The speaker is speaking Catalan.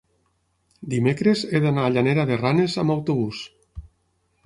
Dimecres he d'anar a Llanera de Ranes amb autobús.